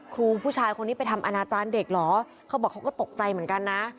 ครูผู้ชายคนนี้ไปทำอนาจารย์เด็กเหรอเขาบอกเขาก็ตกใจเหมือนกันนะ